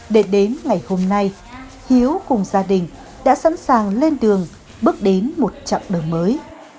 để đến ngày hôm nay hiếu cùng gia đình đã sẵn sàng lên đường bước đến một chặng đời mới